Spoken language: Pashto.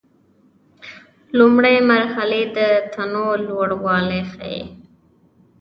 لومړۍ مرحلې د تنوع لوړوالی ښيي.